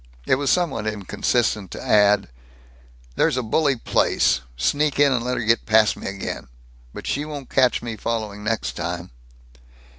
It was somewhat inconsistent to add, "There's a bully place sneak in and let her get past me again. But she won't catch me following next time!"